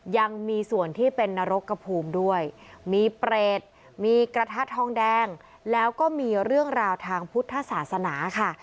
ยังมีส่วนที่เป็นนรกกระภูมิด้วยมีเปรตมีกระทะทองแดงแล้วก็มีเรื่องราวทางพุทธศาสนาค่ะ